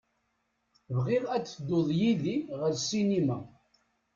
Bɣiɣ ad tedduḍ yid-i ɣer sinima.